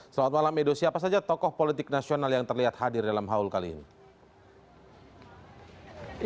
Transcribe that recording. selamat malam edo siapa saja tokoh politik nasional yang terlihat hadir dalam haul kali ini